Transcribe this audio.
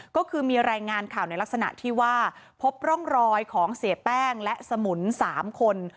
ก็คือมีรายงานข่าวในลักษณะที่ว่าพบร่องรอยของเสียแป้งและสมุน๓คน